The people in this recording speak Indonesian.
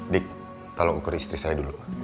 dik tolong ukur istri saya duluan